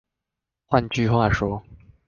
換句話說